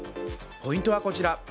ポイントはこちら。